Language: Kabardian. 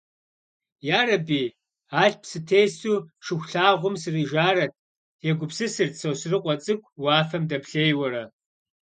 «Ярэби, алъп сытесу Шыхулъагъуэм срижарэт», егупсысырт Сосрыкъуэ цӏыкӏу уафэм дэплъейуэрэ.